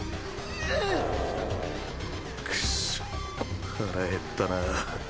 グゥくそっ腹減ったな。